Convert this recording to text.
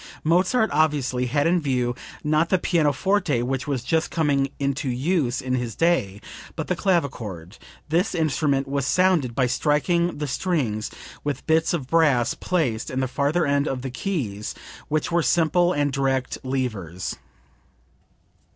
Mozart obviously had in view, not the pianoforte which was just coming into use in his day, but the clavichord. This instrument was sounded by striking the strings with bits of brass placed in the farther end of the keys which were simple and direct levers.